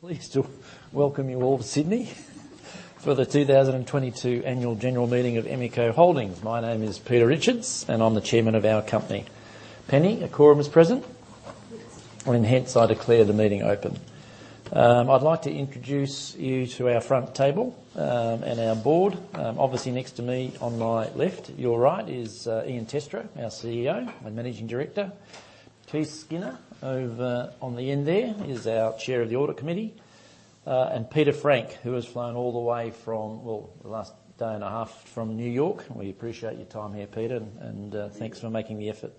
I'm pleased to welcome you all to Sydney for the 2022 annual general meeting of Emeco Holdings. My name is Peter Richards, and I'm the Chairman of our company. Penny, a quorum is present? Yes. Hence I declare the meeting open. I'd like to introduce you to our front table and our board. Obviously next to me on my left, your right, is Ian Testrow, our CEO and Managing Director. Keith Skinner over on the end there is our Chair of the Audit Committee. Peter Frank, who has flown all the way from well, the last day and a half from New York. We appreciate your time here, Peter, and thanks for making the effort.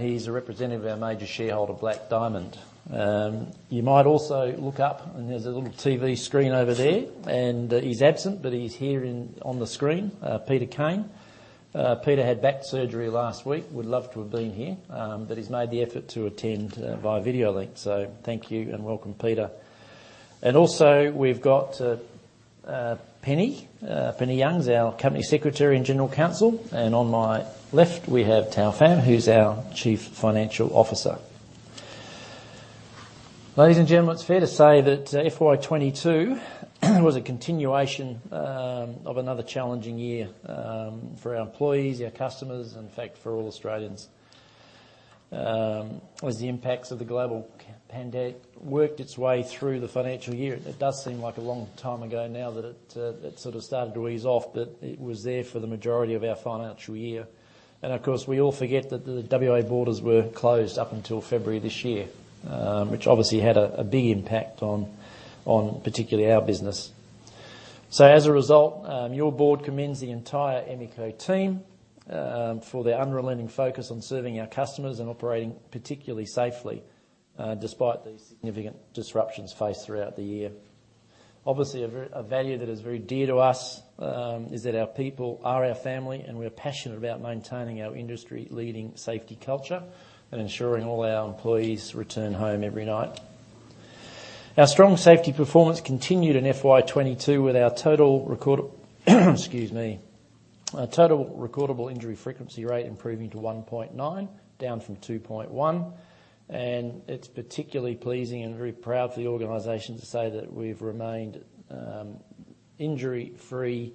He's a representative of our major shareholder, Black Diamond. You might also look up and there's a little TV screen over there, and he's absent, but he's here in on the screen, Peter Kane. Peter had back surgery last week, would love to have been here, but he's made the effort to attend via video link. Thank you and welcome Peter. Also we've got Penny. Penny Young's our Company Secretary and General Counsel. On my left, we have Thao Pham, who's our Chief Financial Officer. Ladies and gentlemen, it's fair to say that FY 2022 was a continuation of another challenging year for our employees, our customers, in fact, for all Australians. As the impacts of the global pandemic worked its way through the financial year. It does seem like a long time ago now that it sort of started to ease off, but it was there for the majority of our financial year. Of course, we all forget that the WA borders were closed up until February this year, which obviously had a big impact on particularly our business. As a result, your board commends the entire Emeco team for their unrelenting focus on serving our customers and operating particularly safely, despite these significant disruptions faced throughout the year. Obviously, a value that is very dear to us is that our people are our family, and we're passionate about maintaining our industry-leading safety culture and ensuring all our employees return home every night. Our strong safety performance continued in FY 2022 with our total recordable injury frequency rate improving to 1.9, down from 2.1. It's particularly pleasing and very proud for the organization to say that we've remained injury-free,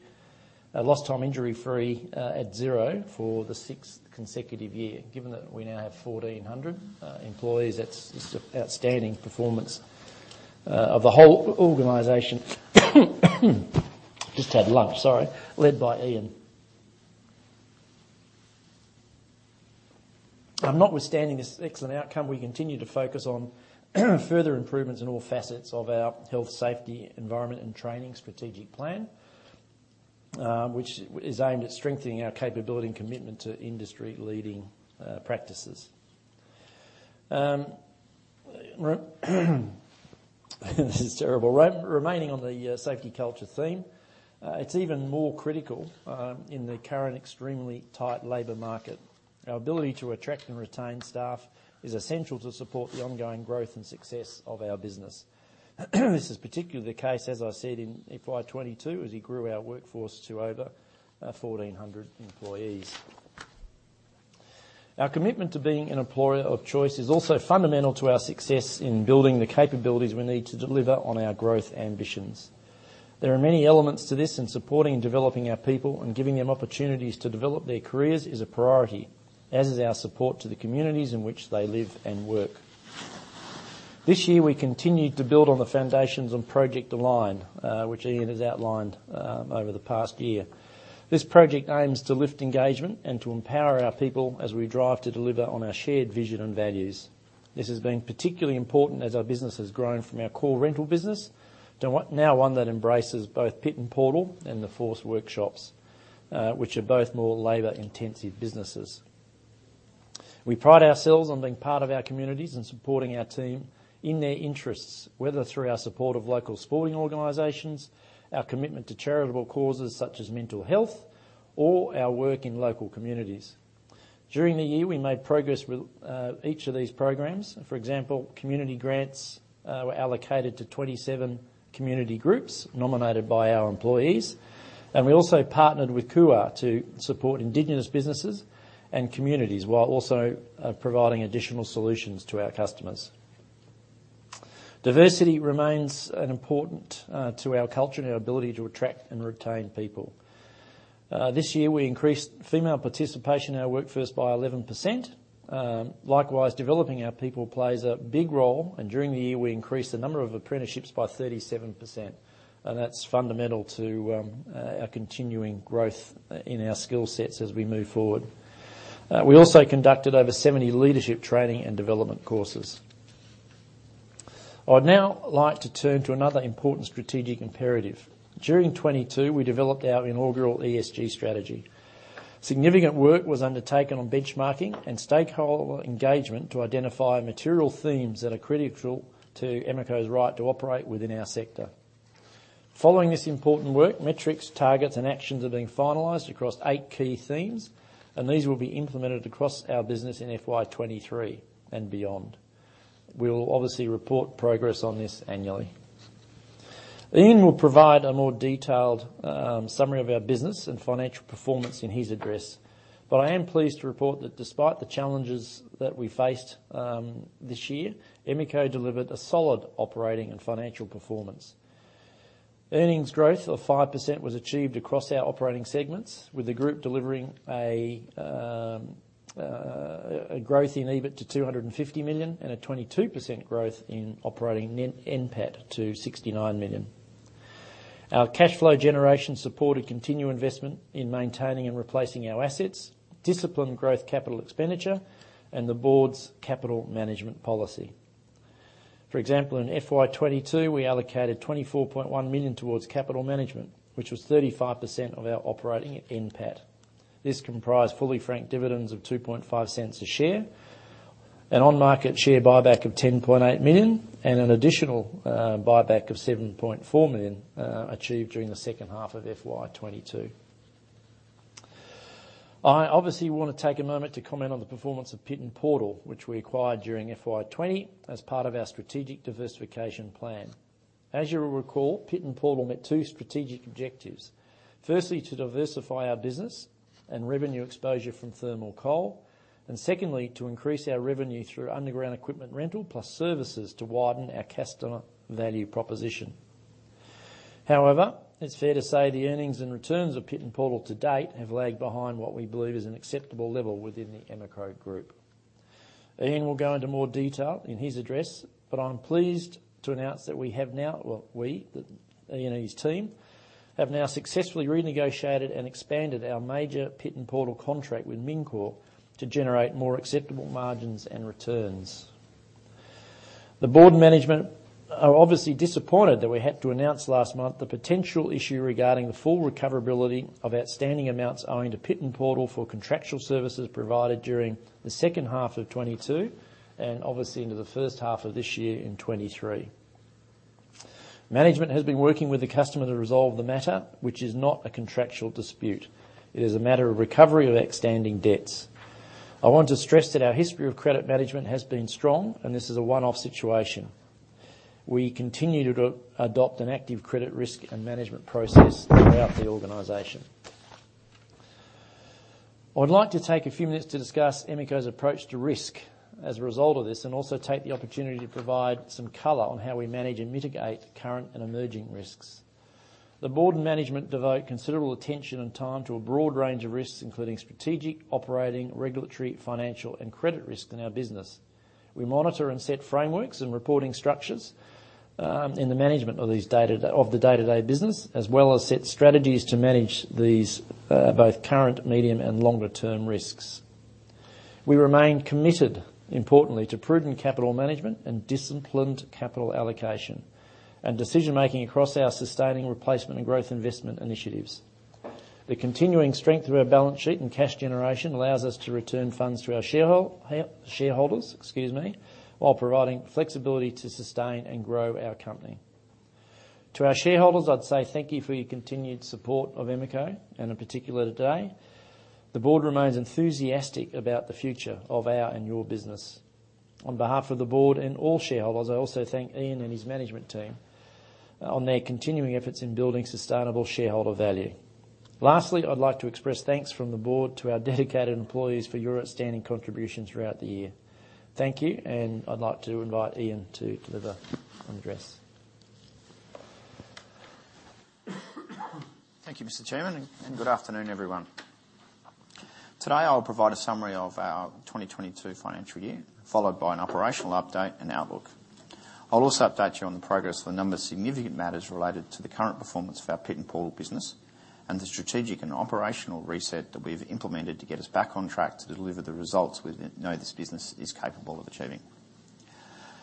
lost time injury-free, at zero for the sixth consecutive year. Given that we now have 1,400 employees, it's an outstanding performance of the whole organization, just had lunch, sorry, led by Ian. Notwithstanding this excellent outcome, we continue to focus on further improvements in all facets of our health, safety, environment, and training strategic plan, which is aimed at strengthening our capability and commitment to industry-leading practices. This is terrible. Remaining on the safety culture theme, it's even more critical in the current extremely tight labor market. Our ability to attract and retain staff is essential to support the ongoing growth and success of our business. This is particularly the case, as I said, in FY 2022, as we grew our workforce to over 1,400 employees. Our commitment to being an employer of choice is also fundamental to our success in building the capabilities we need to deliver on our growth ambitions. There are many elements to this, and supporting and developing our people and giving them opportunities to develop their careers is a priority, as is our support to the communities in which they live and work. This year, we continued to build on the foundations on Project Align, which Ian has outlined over the past year. This project aims to lift engagement and to empower our people as we drive to deliver on our shared vision and values. This has been particularly important as our business has grown from our core rental business, to one that embraces both Pit N Portal and the Force Workshops, which are both more labor-intensive businesses. We pride ourselves on being part of our communities and supporting our team in their interests, whether through our support of local sporting organizations, our commitment to charitable causes such as mental health, or our work in local communities. During the year, we made progress with each of these programs. For example, community grants were allocated to 27 community groups nominated by our employees. We also partnered with Kuuwa to support Indigenous businesses and communities while also providing additional solutions to our customers. Diversity remains an important to our culture and our ability to attract and retain people. This year, we increased female participation in our workforce by 11%. Likewise, developing our people plays a big role, and during the year, we increased the number of apprenticeships by 37%. That's fundamental to our continuing growth in our skill sets as we move forward. We also conducted over 70 leadership training and development courses. I'd now like to turn to another important strategic imperative. During 2022, we developed our inaugural ESG strategy. Significant work was undertaken on benchmarking and stakeholder engagement to identify material themes that are critical to Emeco's right to operate within our sector. Following this important work, metrics, targets, and actions are being finalized across eight key themes, and these will be implemented across our business in FY 2023 and beyond. We'll obviously report progress on this annually. Ian will provide a more detailed summary of our business and financial performance in his address. I am pleased to report that despite the challenges that we faced this year, Emeco delivered a solid operating and financial performance. Earnings growth of 5% was achieved across our operating segments, with the group delivering a growth in EBIT to 250 million, and a 22% growth in operating net NPAT to 69 million. Our cash flow generation supported continued investment in maintaining and replacing our assets, disciplined growth capital expenditure, and the board's capital management policy. For example, in FY 2022, we allocated 24.1 million towards capital management, which was 35% of our operating NPAT. This comprised fully franked dividends of 0.025 a share, an on-market share buyback of 10.8 million, and an additional buyback of 7.4 million achieved during the second half of FY 2022. I obviously wanna take a moment to comment on the performance of Pit N Portal, which we acquired during FY 2020 as part of our strategic diversification plan. As you will recall, Pit N Portal met two strategic objectives. Firstly, to diversify our business and revenue exposure from thermal coal, and secondly, to increase our revenue through underground equipment rental, plus services to widen our customer value proposition. However, it's fair to say the earnings and returns of Pit N Portal to date have lagged behind what we believe is an acceptable level within the Emeco Group. Ian will go into more detail in his address, but I'm pleased to announce that we have now. Well, we, Ian and his team, have now successfully renegotiated and expanded our major Pit N Portal contract with Mincor to generate more acceptable margins and returns. The board and management are obviously disappointed that we had to announce last month the potential issue regarding the full recoverability of outstanding amounts owing to Pit N Portal for contractual services provided during the second half of 2022, and obviously into the first half of this year in 2023. Management has been working with the customer to resolve the matter, which is not a contractual dispute. It is a matter of recovery of outstanding debts. I want to stress that our history of credit management has been strong, and this is a one-off situation. We continue to adopt an active credit risk and management process throughout the organization. I'd like to take a few minutes to discuss Emeco's approach to risk as a result of this, and also take the opportunity to provide some color on how we manage and mitigate current and emerging risks. The board and management devote considerable attention and time to a broad range of risks, including strategic, operating, regulatory, financial, and credit risk in our business. We monitor and set frameworks and reporting structures in the management of these day-to-day business, as well as set strategies to manage these both current, medium, and longer term risks. We remain committed, importantly, to prudent capital management and disciplined capital allocation, and decision-making across our sustaining replacement and growth investment initiatives. The continuing strength of our balance sheet and cash generation allows us to return funds to our shareholders, excuse me, while providing flexibility to sustain and grow our company. To our shareholders, I'd say thank you for your continued support of Emeco, and in particular today. The board remains enthusiastic about the future of our and your business. On behalf of the board and all shareholders, I also thank Ian and his management team on their continuing efforts in building sustainable shareholder value. Lastly, I'd like to express thanks from the board to our dedicated employees for your outstanding contribution throughout the year. Thank you, and I'd like to invite Ian to deliver an address. Thank you, Mr. Chairman, and good afternoon, everyone. Today, I'll provide a summary of our 2022 financial year, followed by an operational update and outlook. I'll also update you on the progress of a number of significant matters related to the current performance of our Pit N Portal business, and the strategic and operational reset that we've implemented to get us back on track to deliver the results we know this business is capable of achieving.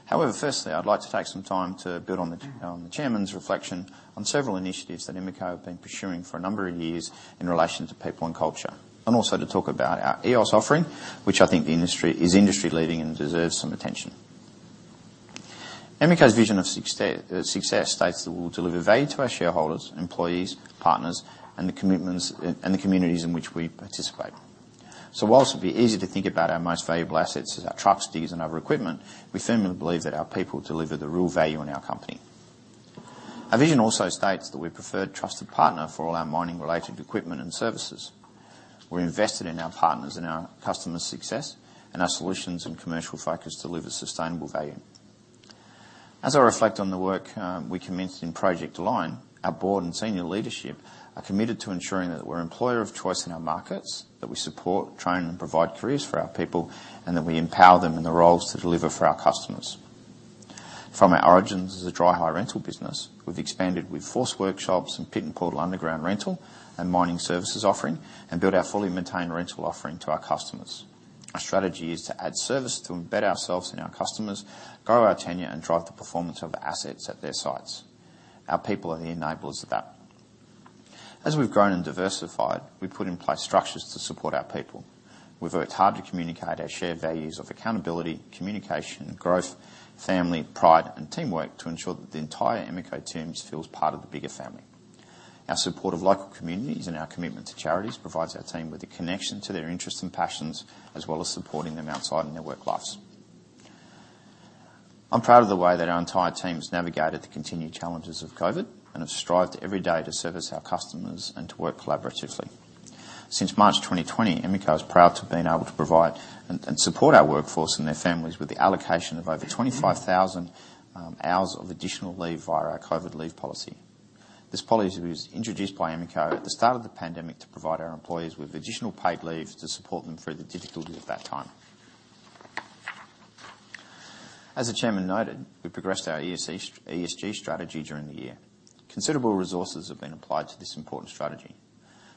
However, firstly, I'd like to take some time to build on the Chairman's reflection on several initiatives that Emeco have been pursuing for a number of years in relation to people and culture, and also to talk about our EOS offering, which I think the industry is industry leading and deserves some attention. Emeco's vision of success states that we'll deliver value to our shareholders, employees, partners, and the commitments and the communities in which we participate. While it'd be easy to think about our most valuable assets as our trucks, digs and other equipment, we firmly believe that our people deliver the real value in our company. Our vision also states that we're preferred, trusted partner for all our mining-related equipment and services. We're invested in our partners and our customers' success, and our solutions and commercial focus deliver sustainable value. As I reflect on the work we commenced in Project Align, our board and senior leadership are committed to ensuring that we're employer of choice in our markets, that we support, train, and provide careers for our people, and that we empower them in the roles to deliver for our customers. From our origins as a dry hire rental business, we've expanded with Force Workshops and Pit N Portal underground rental and mining services offering, and built our fully maintained rental offering to our customers. Our strategy is to add service to embed ourselves in our customers, grow our tenure, and drive the performance of assets at their sites. Our people are the enablers of that. As we've grown and diversified, we've put in place structures to support our people. We've worked hard to communicate our shared values of accountability, communication, growth, family, pride, and teamwork to ensure that the entire Emeco team feels part of the bigger family. Our support of local communities and our commitment to charities provides our team with a connection to their interests and passions, as well as supporting them outside of their work lives. I'm proud of the way that our entire team has navigated the continued challenges of COVID, and have strived every day to service our customers and to work collaboratively. Since March 2020, Emeco has been proud to have been able to provide and support our workforce and their families with the allocation of over 25,000 hours of additional leave via our COVID leave policy. This policy was introduced by Emeco at the start of the pandemic to provide our employees with additional paid leave to support them through the difficulty at that time. As the Chairman noted, we progressed our ESG strategy during the year. Considerable resources have been applied to this important strategy.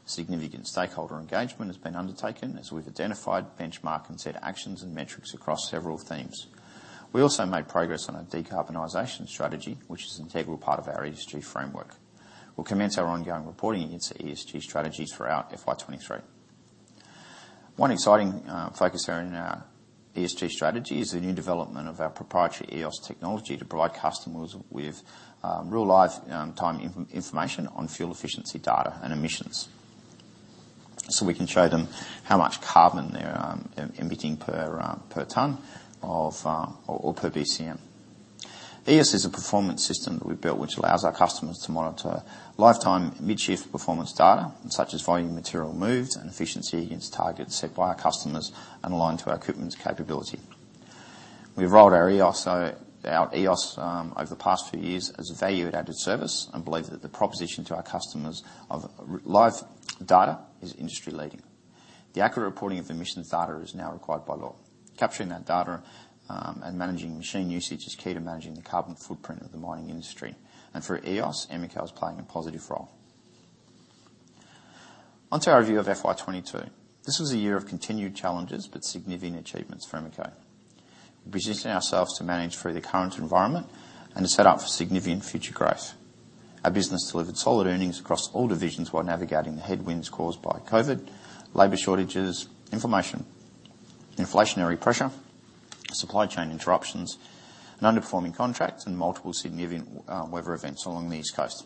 Significant stakeholder engagement has been undertaken as we've identified, benchmarked, and set actions and metrics across several themes. We also made progress on a decarbonization strategy, which is an integral part of our ESG framework. We'll commence our ongoing reporting into ESG strategies throughout FY 2023. One exciting focus here in our ESG strategy is the new development of our proprietary EOS technology to provide customers with real-time information on fuel efficiency data and emissions, so we can show them how much carbon they're emitting per ton or per BCM. EOS is a performance system that we've built which allows our customers to monitor lifetime mid-shift performance data, such as volume material moved and efficiency against targets set by our customers and aligned to our equipment's capability. We've rolled our EOS out, EOS, over the past few years as a value-added service and believe that the proposition to our customers of real-time data is industry-leading. The accurate reporting of emissions data is now required by law. Capturing that data, and managing machine usage is key to managing the carbon footprint of the mining industry, and through EOS, Emeco is playing a positive role. Onto our review of FY 2022. This was a year of continued challenges but significant achievements for Emeco. We positioned ourselves to manage through the current environment and to set up for significant future growth. Our business delivered solid earnings across all divisions while navigating the headwinds caused by COVID, labor shortages, inflationary pressure, supply chain interruptions, and underperforming contracts and multiple significant weather events along the East Coast.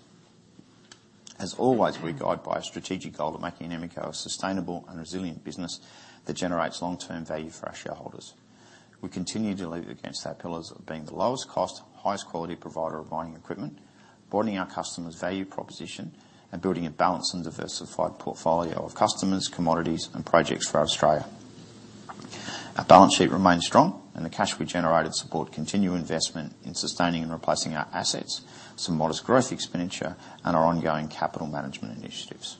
As always, we are guided by a strategic goal of making Emeco a sustainable and resilient business that generates long-term value for our shareholders. We continue to deliver against our pillars of being the lowest cost, highest quality provider of mining equipment, broadening our customers' value proposition, and building a balanced and diversified portfolio of customers, commodities, and projects for Australia. Our balance sheet remains strong, and the cash we generated supports continued investment in sustaining and replacing our assets, some modest growth expenditure, and our ongoing capital management initiatives.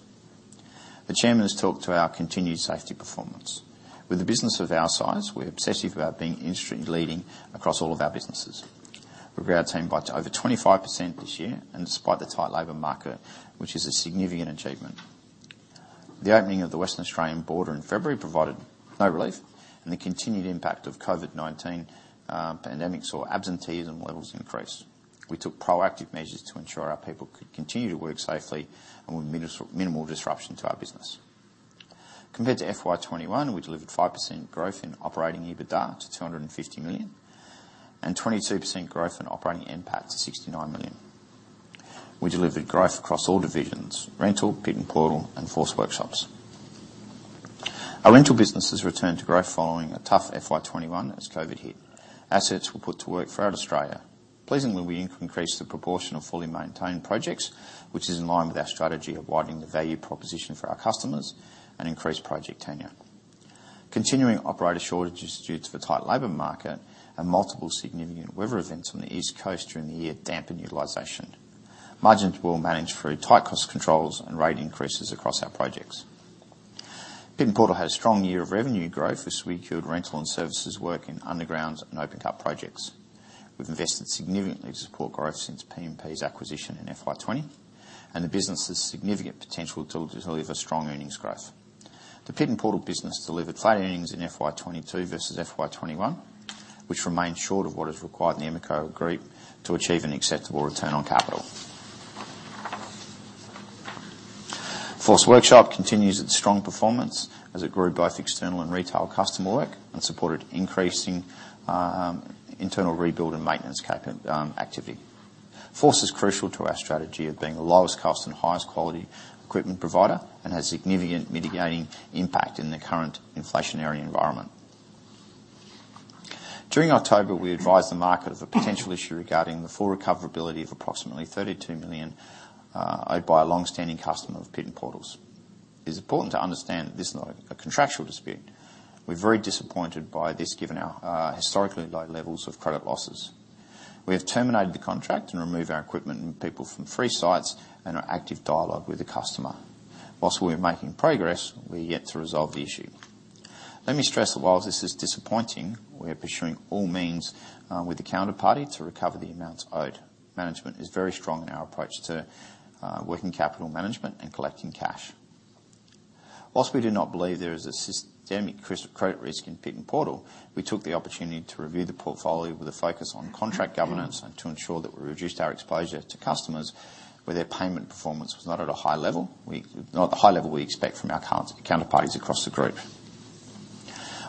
The Chairman has talked to our continued safety performance. With a business of our size, we're obsessive about being industry-leading across all of our businesses. We grew our team by over 25% this year and despite the tight labor market, which is a significant achievement. The opening of the Western Australian border in February provided no relief, and the continued impact of COVID-19 pandemic saw absenteeism levels increase. We took proactive measures to ensure our people could continue to work safely and with minimal disruption to our business. Compared to FY 2021, we delivered 5% growth in operating EBITDA to 250 million and 22% growth in operating NPAT to 69 million. We delivered growth across all divisions, Rental, Pit N Portal, and Force Workshops. Our rental business has returned to growth following a tough FY 2021 as COVID hit. Assets were put to work throughout Australia. Pleasingly, we increased the proportion of fully maintained projects, which is in line with our strategy of widening the value proposition for our customers and increase project tenure. Continuing operator shortages due to the tight labor market and multiple significant weather events on the East Coast during the year dampened utilization. Margins were managed through tight cost controls and rate increases across our projects. Pit N Portal had a strong year of revenue growth as we secured rental and services work in underground and open cut projects. We've invested significantly to support growth since P&P's acquisition in FY 2020, and the business has significant potential to deliver strong earnings growth. The Pit N Portal business delivered flat earnings in FY 2022 versus FY 2021, which remained short of what is required in the Emeco group to achieve an acceptable return on capital. Force Workshops continues its strong performance as it grew both external and rental customer work and supported increasing internal rebuild and maintenance activity. Force is crucial to our strategy of being the lowest cost and highest quality equipment provider and has significant mitigating impact in the current inflationary environment. During October, we advised the market of a potential issue regarding the full recoverability of approximately 32 million owed by a long-standing customer of Pit N Portal's. It is important to understand that this is not a contractual dispute. We're very disappointed by this, given our historically low levels of credit losses. We have terminated the contract and removed our equipment and people from three sites and are in active dialogue with the customer. Whilst we're making progress, we're yet to resolve the issue. Let me stress that whilst this is disappointing, we are pursuing all means with the counterparty to recover the amounts owed. Management is very strong in our approach to working capital management and collecting cash. While we do not believe there is a systemic credit risk in Pit N Portal, we took the opportunity to review the portfolio with a focus on contract governance and to ensure that we reduced our exposure to customers where their payment performance was not at a high level. Not the high level we expect from our counterparties across the group.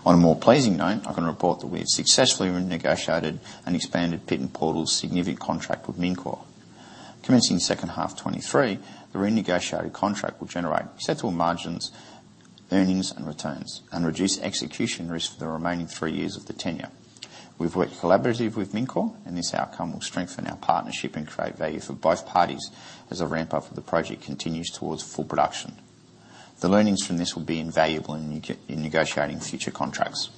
On a more pleasing note, I can report that we have successfully renegotiated an expanded Pit N Portal's significant contract with Mincor. Commencing second half 2023, the renegotiated contract will generate acceptable margins, earnings, and returns and reduce execution risk for the remaining three years of the tenure. We've worked collaboratively with Mincor, and this outcome will strengthen our partnership and create value for both parties as the ramp-up of the project continues towards full production. The learnings from this will be invaluable in negotiating future contracts.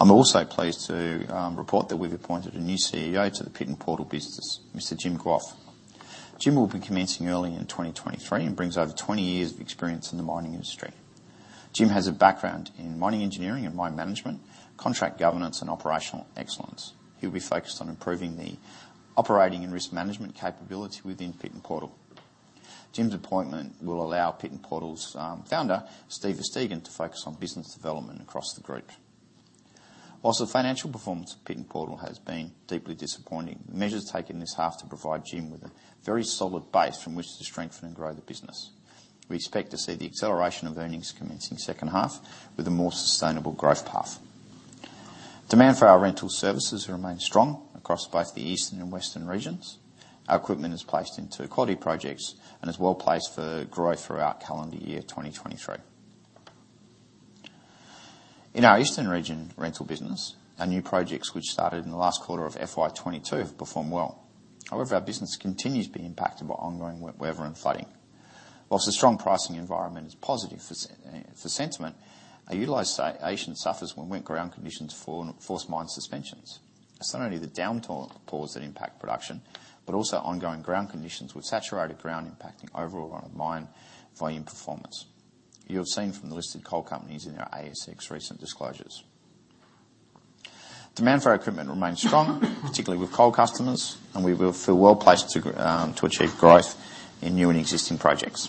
I'm also pleased to report that we've appointed a new CEO to the Pit N Portal business, Mr. Jim Gough. Jim will be commencing early in 2023 and brings over 20 years of experience in the mining industry. Jim has a background in mining engineering and mine management, contract governance, and operational excellence. He'll be focused on improving the operating and risk management capability within Pit N Portal. Jim's appointment will allow Pit N Portal's founder, Steven Versteegen, to focus on business development across the group. While the financial performance of Pit N Portal has been deeply disappointing, the measures taken this half to provide Jim with a very solid base from which to strengthen and grow the business. We expect to see the acceleration of earnings commencing second half with a more sustainable growth path. Demand for our rental services remains strong across both the eastern and western regions. Our equipment is placed into quality projects and is well-placed for growth throughout calendar year 2023. In our eastern region rental business, our new projects, which started in the last quarter of FY 2022, have performed well. However, our business continues to be impacted by ongoing weather and flooding. While the strong pricing environment is positive for sentiment, our utilization suffers when wet ground conditions force mine suspensions. It's not only the downtime that causes and impacts production, but also ongoing ground conditions with saturated ground impacting overall run of mine volume performance you have seen from the listed coal companies in our ASX recent disclosures. Demand for our equipment remains strong, particularly with coal customers, and we feel well-placed to achieve growth in new and existing projects.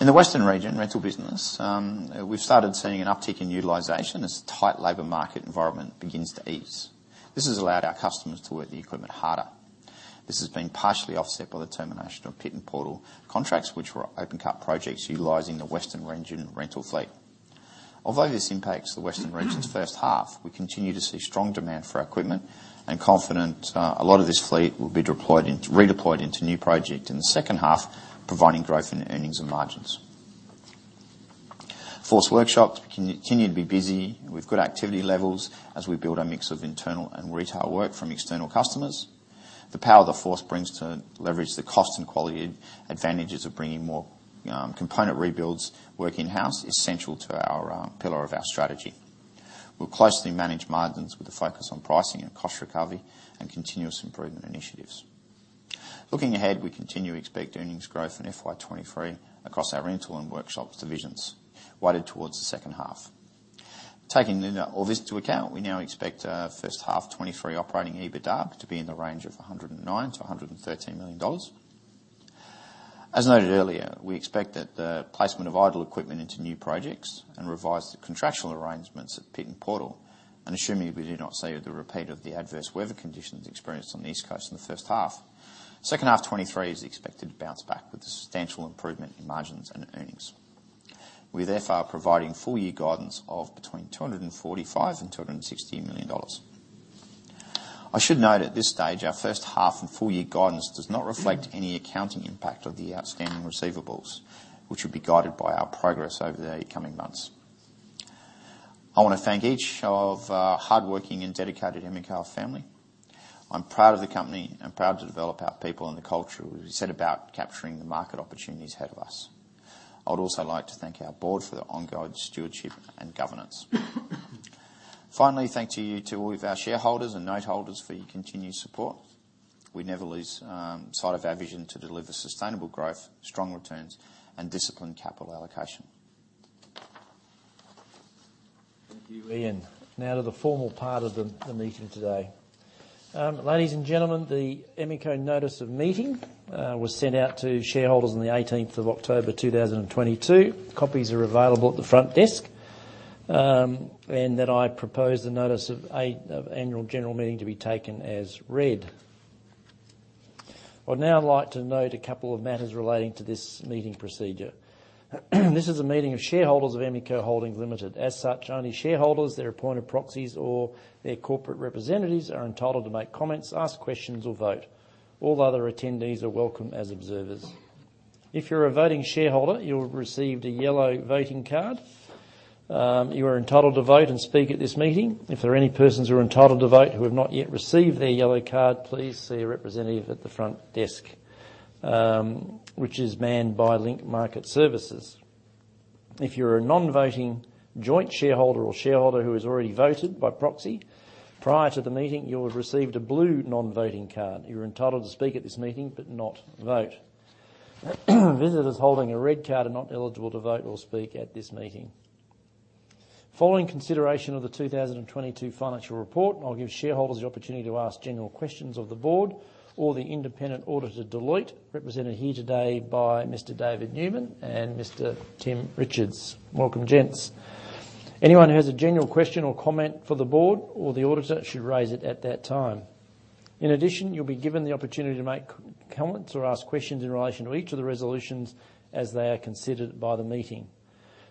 In the western region rental business, we've started seeing an uptick in utilization as tight labor market environment begins to ease. This has allowed our customers to work the equipment harder. This has been partially offset by the termination of Pit N Portal contracts, which were open cut projects utilizing the western region rental fleet. Although this impacts the western region's first half, we continue to see strong demand for our equipment and confident a lot of this fleet will be redeployed into new project in the second half, providing growth in earnings and margins. Force Workshops continue to be busy with good activity levels as we build our mix of internal and retail work from external customers. The power the Force brings to leverage the cost and quality advantages of bringing more component rebuilds work in-house is central to our pillar of our strategy. We'll closely manage margins with a focus on pricing and cost recovery and continuous improvement initiatives. Looking ahead, we continue to expect earnings growth in FY 2023 across our rental and workshops divisions, weighted towards the second half. Taking all this into account, we now expect first-half 2023 operating EBITDA to be in the range of 109 million-113 million dollars. As noted earlier, we expect that the placement of idle equipment into new projects and revise the contractual arrangements at Pit N Portal and assuming we do not see the repeat of the adverse weather conditions experienced on the East Coast in the first half. Second half 2023 is expected to bounce back with a substantial improvement in margins and earnings. We're therefore providing full year guidance of between 245 million and 260 million dollars. I should note at this stage, our first half and full year guidance does not reflect any accounting impact of the outstanding receivables, which will be guided by our progress over the coming months. I wanna thank each of our hardworking and dedicated Emeco family. I'm proud of the company and proud to develop our people and the culture as we set about capturing the market opportunities ahead of us. I would also like to thank our board for their ongoing stewardship and governance. Finally, thank you to all of our shareholders and note holders for your continued support. We never lose sight of our vision to deliver sustainable growth, strong returns, and disciplined capital allocation. Thank you, Ian. Now to the formal part of the meeting today. Ladies and gentlemen, the Emeco notice of meeting was sent out to shareholders on the October 18th, 2022. Copies are available at the front desk. I propose the notice of annual general meeting to be taken as read. I'd now like to note a couple of matters relating to this meeting procedure. This is a meeting of shareholders of Emeco Holdings Limited. As such, only shareholders, their appointed proxies or their corporate representatives are entitled to make comments, ask questions or vote. All other attendees are welcome as observers. If you're a voting shareholder, you'll have received a yellow voting card. You are entitled to vote and speak at this meeting. If there are any persons who are entitled to vote who have not yet received their yellow card, please see a representative at the front desk, which is manned by Link Market Services. If you're a non-voting joint shareholder or shareholder who has already voted by proxy prior to the meeting, you will have received a blue non-voting card. You're entitled to speak at this meeting but not vote. Visitors holding a red card are not eligible to vote or speak at this meeting. Following consideration of the 2022 financial report, I'll give shareholders the opportunity to ask general questions of the board or the independent auditor, Deloitte, represented here today by Mr. David Newman and Mr. Tim Richards. Welcome, gents. Anyone who has a general question or comment for the board or the auditor should raise it at that time. In addition, you'll be given the opportunity to make comments or ask questions in relation to each of the resolutions as they are considered by the meeting.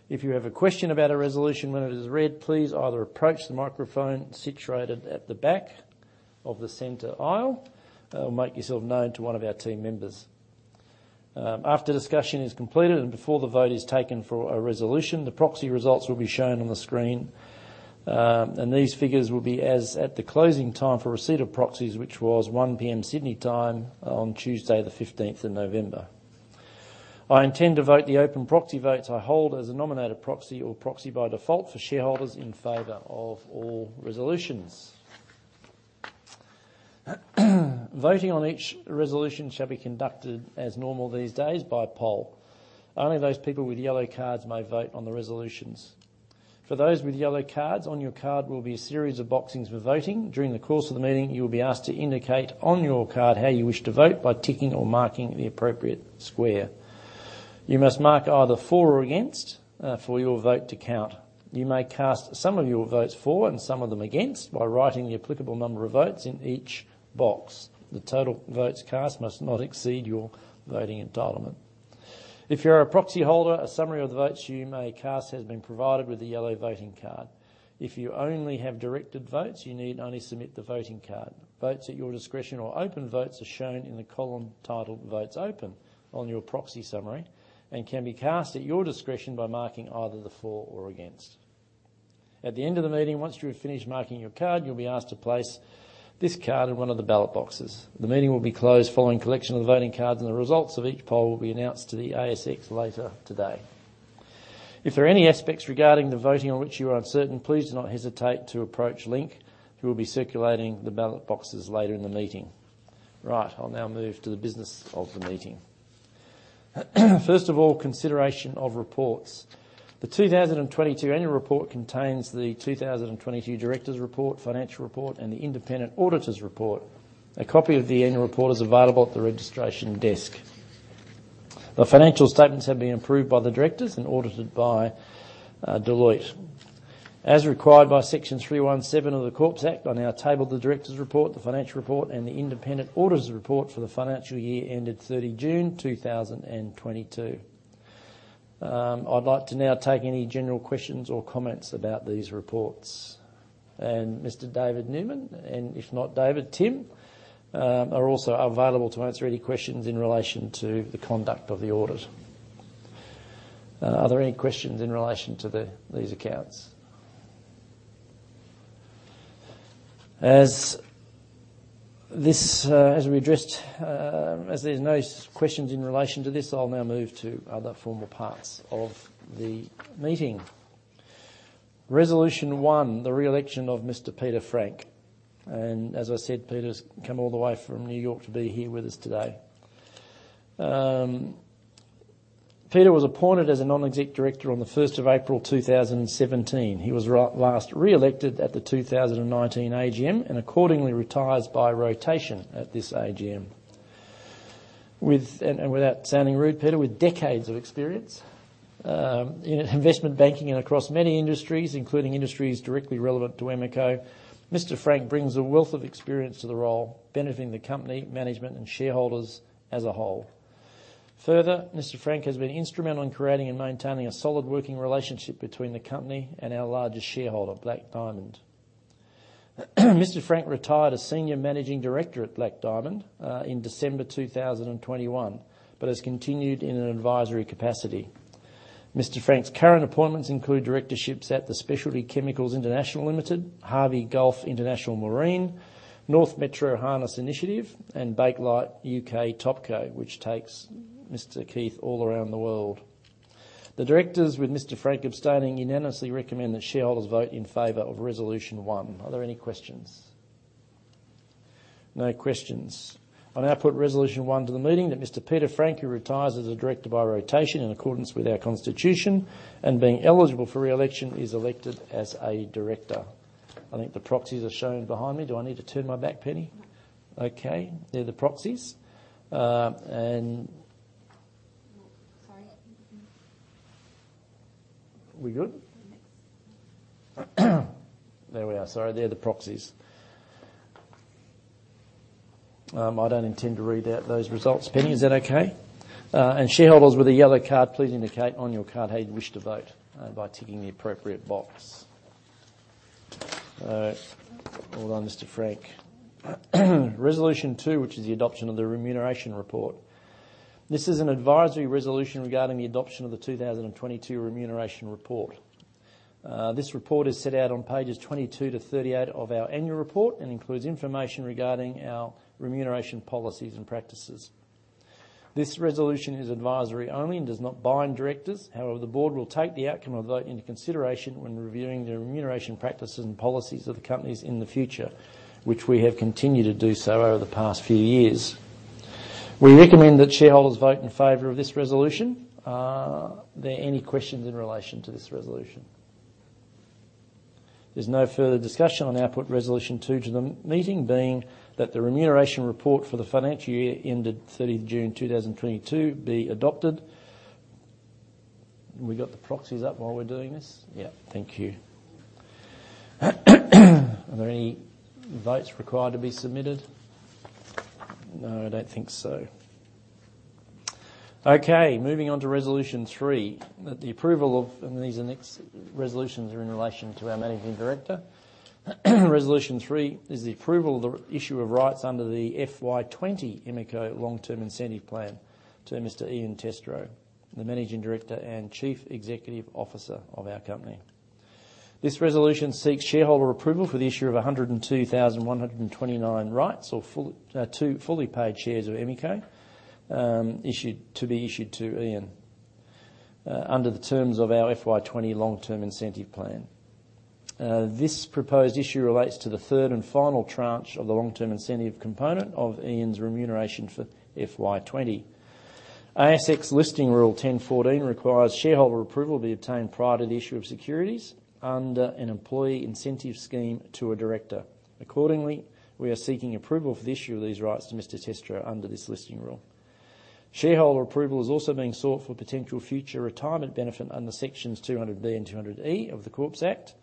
If you have a question about a resolution when it is read, please either approach the microphone situated at the back of the center aisle, or make yourself known to one of our team members. After discussion is completed and before the vote is taken for a resolution, the proxy results will be shown on the screen. These figures will be as at the closing time for receipt of proxies, which was 1:00 P.M. Sydney time on Tuesday the fifteenth of November. I intend to vote the open proxy votes I hold as a nominated proxy or proxy by default for shareholders in favor of all resolutions. Voting on each resolution shall be conducted as normal these days by poll. Only those people with yellow cards may vote on the resolutions. For those with yellow cards, on your card will be a series of boxes for voting. During the course of the meeting, you will be asked to indicate on your card how you wish to vote by ticking or marking the appropriate square. You must mark either for or against for your vote to count. You may cast some of your votes for and some of them against by writing the applicable number of votes in each box. The total votes cast must not exceed your voting entitlement. If you're a proxy holder, a summary of the votes you may cast has been provided with the yellow voting card. If you only have directed votes, you need only submit the voting card. Votes at your discretion or open votes are shown in the column titled "Votes Open" on your proxy summary, and can be cast at your discretion by marking either the for or against. At the end of the meeting, once you have finished marking your card, you'll be asked to place this card in one of the ballot boxes. The meeting will be closed following collection of the voting cards, and the results of each poll will be announced to the ASX later today. If there are any aspects regarding the voting on which you are uncertain, please do not hesitate to approach Link, who will be circulating the ballot boxes later in the meeting. Right, I'll now move to the business of the meeting. First of all, consideration of reports. The 2022 annual report contains the 2022 directors' report, financial report, and the independent auditor's report. A copy of the annual report is available at the registration desk. The financial statements have been approved by the directors and audited by Deloitte. As required by Section 317 of the Corporations Act, I now table the directors' report, the financial report, and the independent auditor's report for the financial year ended June 30th 2022. I'd like to now take any general questions or comments about these reports. Mr. David Newman, and if not David, Tim Richards, are also available to answer any questions in relation to the conduct of the audit. Are there any questions in relation to these accounts? As we addressed, as there's no questions in relation to this, I'll now move to other formal parts of the meeting. Resolution one, the reelection of Mr. Peter Frank. As I said, Peter's come all the way from New York to be here with us today. Peter was appointed as a non-exec director on the first of April 2017. He was last reelected at the 2019 AGM, and accordingly retires by rotation at this AGM. With and without sounding rude, Peter, with decades of experience in investment banking and across many industries, including industries directly relevant to Emeco, Mr. Frank brings a wealth of experience to the role, benefiting the company, management, and shareholders as a whole. Further, Mr. Frank has been instrumental in creating and maintaining a solid working relationship between the company and our largest shareholder, Black Diamond. Mr. Frank retired as Senior Managing Director at Black Diamond in December 2021, but has continued in an advisory capacity. Mr. Frank's current appointments include directorships at the Specialty Chemicals International Limited, Harvey Gulf International Marine, North Metro Harness Initiative, and Bakelite UK Topco, which takes Mr. Frank all around the world. The directors, with Mr. Frank abstaining, unanimously recommend that shareholders vote in favor of resolution 1. Are there any questions? No questions. I now put resolution 1 to the meeting that Mr. Peter Frank, who retires as a director by rotation in accordance with our constitution and being eligible for reelection, is elected as a director. I think the proxies are shown behind me. Do I need to turn my back, Penny? No. Okay. They're the proxies. Sorry. Mm-hmm. We good? Next. There we are. Sorry, they're the proxies. I don't intend to read out those results. Penny, is that okay? Shareholders with a yellow card, please indicate on your card how you'd wish to vote by ticking the appropriate box. All right. Well done, Mr. Frank. Resolution two, which is the adoption of the remuneration report. This is an advisory resolution regarding the adoption of the 2022 remuneration report. This report is set out on pages 22-38 of our annual report and includes information regarding our remuneration policies and practices. This resolution is advisory only and does not bind directors. However, the board will take the outcome of the vote into consideration when reviewing the remuneration practices and policies of the companies in the future, which we have continued to do so over the past few years. We recommend that shareholders vote in favor of this resolution. Are there any questions in relation to this resolution? There's no further discussion on ordinary resolution two to the meeting, being the remuneration report for the financial year ended June 30th, 2022 be adopted. We got the proxies up while we're doing this? Yeah. Thank you. Are there any votes required to be submitted? No, I don't think so. Okay, moving on to resolution three. The next resolutions are in relation to our managing director. Resolution three is the approval of the issue of rights under the FY 2020 Emeco long-term incentive plan to Mr. Ian Testrow, the Managing Director and Chief Executive Officer of our company. This resolution seeks shareholder approval for the issue of 102,129 rights or two fully paid shares of Emeco to be issued to Ian under the terms of our FY 2020 long-term incentive plan. This proposed issue relates to the third and final tranche of the long-term incentive component of Ian's remuneration for FY 2020. ASX Listing Rule 10.14 requires shareholder approval be obtained prior to the issue of securities under an employee incentive scheme to a director. Accordingly, we are seeking approval for the issue of these rights to Mr. Testro under this listing rule. Shareholder approval is also being sought for potential future retirement benefit under sections 200B and 200E of the Corporations Act.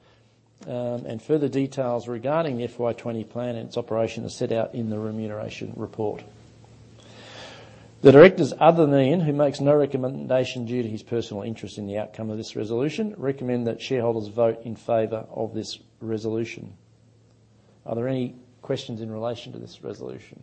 Further details regarding FY 2020 plan and its operation are set out in the remuneration report. The directors, other than Ian Testrow, who makes no recommendation due to his personal interest in the outcome of this resolution, recommend that shareholders vote in favor of this resolution. Are there any questions in relation to this resolution?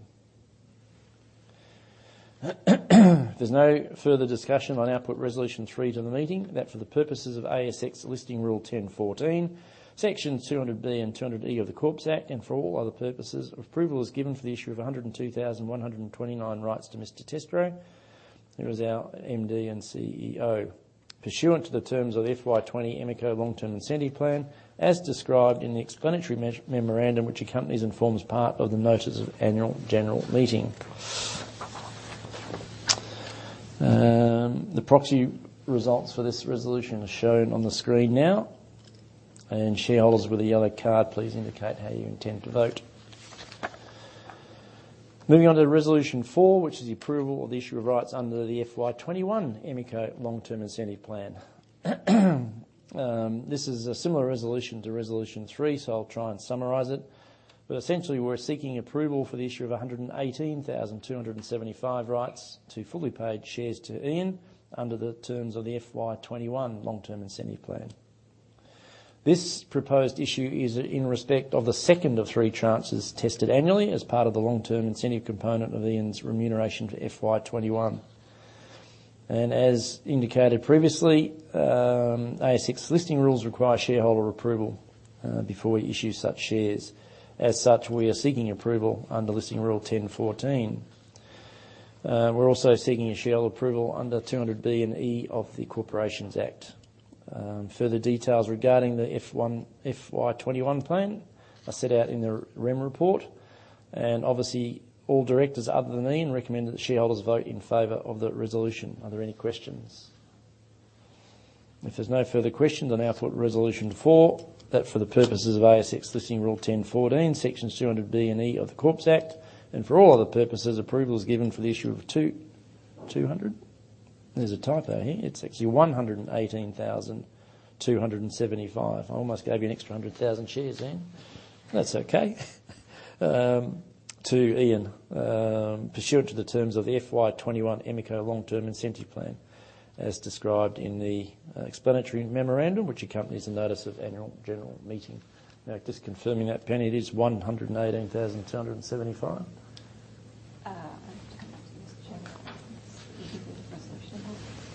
If there's no further discussion, I'll now put resolution three to the meeting that for the purposes of ASX Listing Rule 10.14, Section 200B and Section 200E of the Corporations Act, and for all other purposes, approval is given for the issue of 102,129 rights to Mr. Testrow, who is our MD and CEO, pursuant to the terms of FY 2020 Emeco long term incentive plan, as described in the explanatory memorandum, which accompanies and forms part of the notice of annual general meeting. The proxy results for this resolution are shown on the screen now. Shareholders with a yellow card, please indicate how you intend to vote. Moving on to resolution four, which is the approval of the issue of rights under the FY 2021 Emeco long-term incentive plan. This is a similar resolution to resolution three, so I'll try and summarize it. Essentially, we're seeking approval for the issue of 118,275 rights to fully paid shares to Ian under the terms of the FY 2021 long-term incentive plan. This proposed issue is in respect of the second of three tranches tested annually as part of the long-term incentive component of Ian's remuneration for FY 2021. As indicated previously, ASX Listing Rules require shareholder approval before we issue such shares. As such, we are seeking approval under Listing Rule 10.14. We're also seeking shareholder approval under section 200B and 200E of the Corporations Act. Further details regarding the FY 2021 plan are set out in the remuneration report, and obviously, all directors, other than Ian, recommend that the shareholders vote in favor of the resolution. Are there any questions? If there's no further questions, I now put resolution four that for the purposes of ASX Listing Rule 10.14, sections 200B and 200E of the Corporations Act, and for all other purposes, approval is given for the issue of 220,000? There's a typo here. It's actually 118,275. I almost gave you an extra 100,000 shares then. That's okay. To Ian, pursuant to the terms of the FY 2021 Emeco long term incentive plan, as described in the explanatory memorandum, which accompanies a Notice of Annual General Meeting. Now, just confirming that, Penny, it is 118,275? I'm coming up to this, Jeff.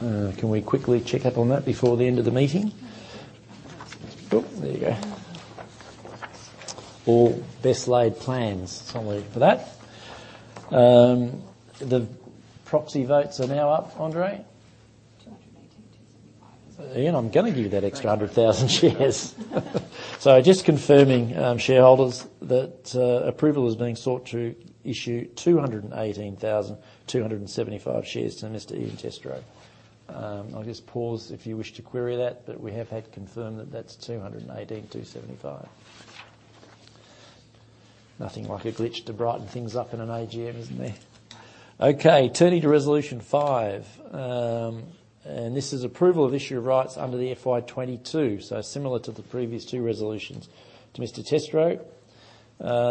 Can we quickly check up on that before the end of the meeting? Oh, there you go. All best laid plans somewhere for that. The proxy votes are now up, Andre? 218,275. Ian, I'm gonna give you that extra 100,000 shares. Just confirming, shareholders that approval is being sought to issue 218,275 shares to Mr. Ian Testrow. I'll just pause if you wish to query that, but we have had confirmed that that's 218,275. Nothing like a glitch to brighten things up in an AGM, isn't it? Okay, turning to resolution five. This is approval of issue of rights under the FY 2022, so similar to the previous two resolutions to Mr. Testrow.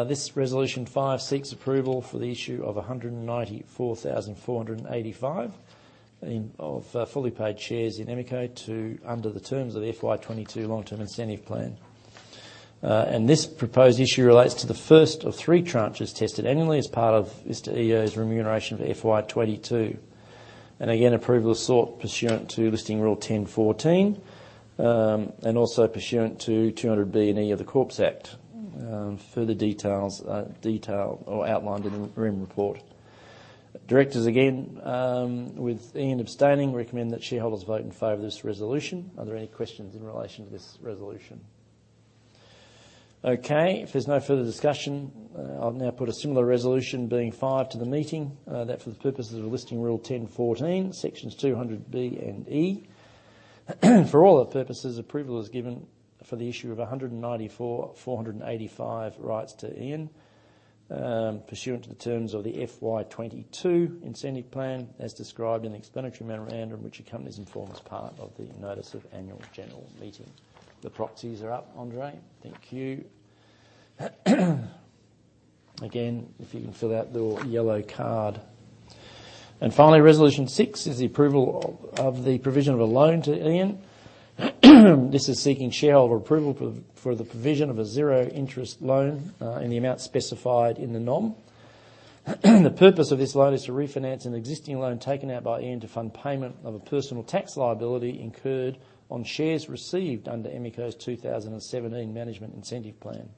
This resolution five seeks approval for the issue of 194,485 fully paid shares in Emeco under the terms of the FY 2022 long-term incentive plan. This proposed issue relates to the first of three tranches tested annually as part of Mr. Ian's remuneration for FY 2022. Again, approval is sought pursuant to ASX Listing Rule 10.14, and also pursuant to 200B and 200E of the Corporations Act. Further details are outlined in the Remuneration Report. Directors again, with Ian abstaining, recommend that shareholders vote in favor of this resolution. Are there any questions in relation to this resolution? Okay, if there's no further discussion, I'll now put Resolution 5 to the meeting, that for the purposes of ASX Listing Rule 10.14, sections 200B and 200E of the Corporations Act. For all other purposes, approval is given for the issue of 194,485 rights to Ian, pursuant to the terms of the FY 2022 incentive plan, as described in the explanatory memorandum, which the company has included as part of the notice of annual general meeting. The proxies are up, Andre. Thank you. Again, if you can fill out the yellow card. Finally, resolution six is the approval of the provision of a loan to Ian. This is seeking shareholder approval for the provision of a zero interest loan in the amount specified in the NOM. The purpose of this loan is to refinance an existing loan taken out by Ian to fund payment of a personal tax liability incurred on shares received under Emeco's 2017 Management Incentive Plan.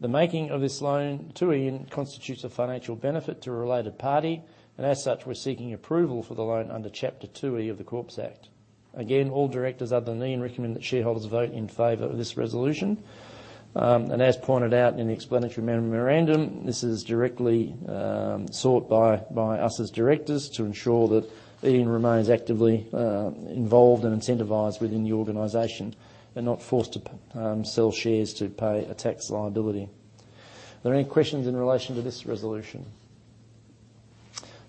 The making of this loan to Ian constitutes a financial benefit to a related party, and as such, we're seeking approval for the loan under Chapter 2E of the Corporations Act. Again, all directors other than Ian recommend that shareholders vote in favor of this resolution. As pointed out in the explanatory memorandum, this is directly sought by us as directors to ensure that Ian remains actively involved and incentivized within the organization and not forced to sell shares to pay a tax liability. Are there any questions in relation to this resolution?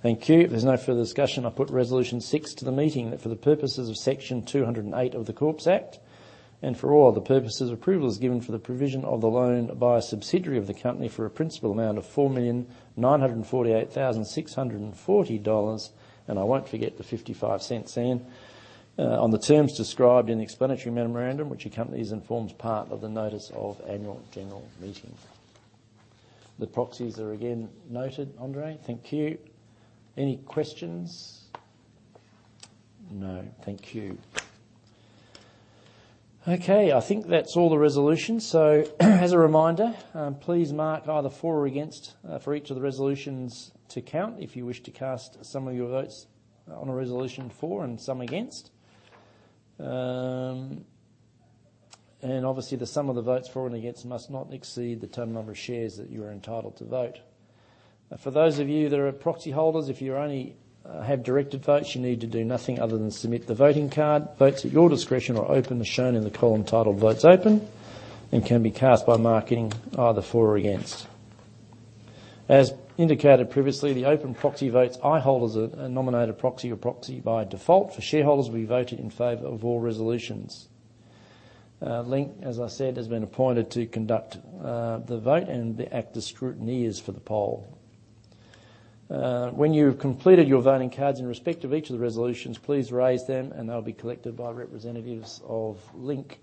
Thank you. If there's no further discussion, I'll put resolution 6 to the meeting, that for the purposes of Section 208 of the Corporations Act and for all other purposes, approval is given for the provision of the loan by a subsidiary of the company for a principal amount of 4,948,640.55 dollars, Sam, on the terms described in the explanatory memorandum, which the company has included as part of the notice of annual general meeting. The proxies are again noted, Andre. Thank you. Any questions? No. Thank you. Okay, I think that's all the resolutions. As a reminder, please mark either for or against for each of the resolutions to count if you wish to cast some of your votes on a resolution for and some against. Obviously, the sum of the votes for and against must not exceed the total number of shares that you are entitled to vote. For those of you that are proxy holders, if you only have directed votes, you need to do nothing other than submit the voting card. Votes at your discretion are open as shown in the column titled "Votes Open" and can be cast by marking either for or against. As indicated previously, the open proxy votes I hold as a nominated proxy or proxy by default. For shareholders, we vote in favor of all resolutions. Link, as I said, has been appointed to conduct the vote and they act as scrutineers for the poll. When you've completed your voting cards in respect of each of the resolutions, please raise them, and they'll be collected by representatives of Link.